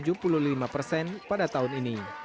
tujuh puluh lima persen pada tahun ini